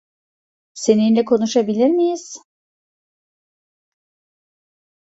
Seninle konuşabilir miyiz?